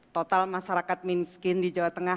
total masyarakat miskin di jawa tengah